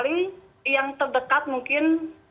paling yang terdekat mungkin